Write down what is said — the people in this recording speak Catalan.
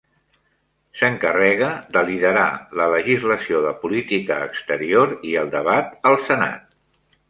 S'encarrega de liderar la legislació de política exterior i el debat al Senat.